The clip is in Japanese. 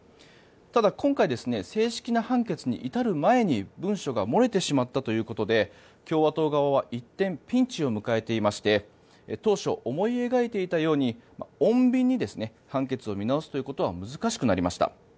ただ今回、正式な判決に至る前に文書が漏れてしまったということで共和党側は一転ピンチを迎えていまして当初、思い描いていたように穏便に判決を見直すことは難しくなりました。